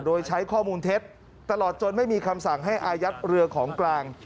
โดยใช้ข้อมูลเท็จตลอดจนไม่มีคำสั่งให้อายัดเรือของกลาง